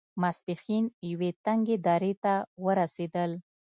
ماسپښين يوې تنګې درې ته ورسېدل.